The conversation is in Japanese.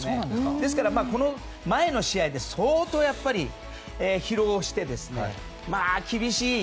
ですから、この前の試合で相当やっぱり疲労して厳しい。